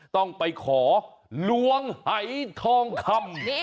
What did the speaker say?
ต้องไปขอลวงหายทองคำ